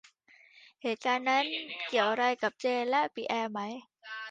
เหตุการณ์นั้นเกี่ยวอะไรกับเจนและปิแอร์ไหม